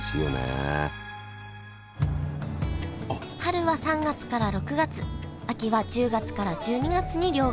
春は３月から６月秋は１０月から１２月に漁が行われます。